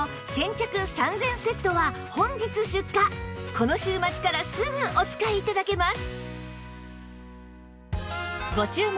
この週末からすぐお使い頂けます